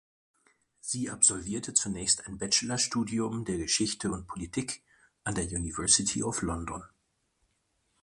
Sie absolvierte zunächst ein Bachelorstudium der Geschichte und Politik an der University of London.